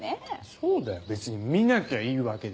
そうだよ別に見なきゃいいわけだし。